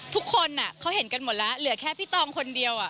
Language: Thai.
ทุกคนเขาเห็นกันหมดแล้วเหลือแค่พี่ตองคนเดียว